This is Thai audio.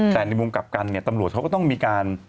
แต่ในมุมกลับกันเนี่ยตำรวจเขาก็ต้องมีการ